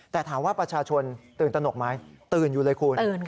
แต่ถามว่าประชาชนตื่นตนกไหมตื่นอยู่เลยคุณ